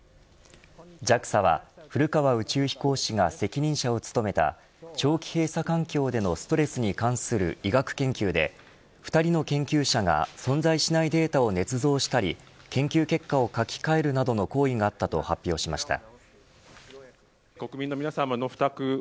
ＪＡＸＡは古川宇宙飛行士が責任者を務めた長期閉鎖環境でのストレスに関する医学研究で２人の研究者が存在しないデータをねつ造したり研究結果を書き換えるなどの行為があったと発表しました。